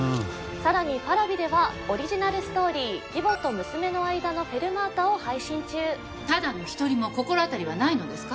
さらにＰａｒａｖｉではオリジナルストーリー「義母と娘の間のフェルマータ」を配信中ただの１人も心当たりはないのですか？